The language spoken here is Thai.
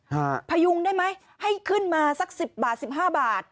ฮะพยุงได้ไหมขึ้นมาสัก๑๐บาท๑๕บาท